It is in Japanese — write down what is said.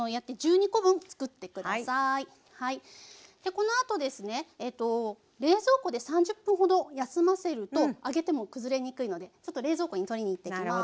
このあとですねえと冷蔵庫で３０分ほど休ませると揚げてもくずれにくいのでちょっと冷蔵庫に取りに行ってきます。